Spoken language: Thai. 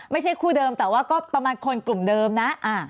ไม่ใช่คู่เดิมแต่ว่าก็ประมาณคนกลุ่มเดิมนะ